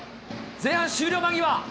前半終了間際。